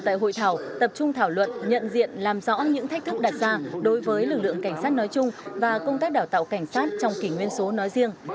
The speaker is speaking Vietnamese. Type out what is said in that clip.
tại hội thảo tập trung thảo luận nhận diện làm rõ những thách thức đặt ra đối với lực lượng cảnh sát nói chung và công tác đào tạo cảnh sát trong kỷ nguyên số nói riêng